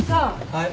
はい。